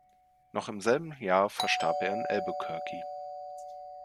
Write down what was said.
Noch im selben Jahr verstarb er in Albuquerque.